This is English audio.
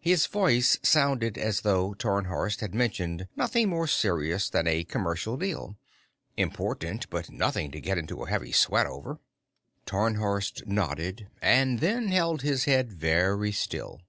His voice sounded as though Tarnhorst had mentioned nothing more serious than a commercial deal. Important, but nothing to get into a heavy sweat over. Tarnhorst nodded and then held his head very still.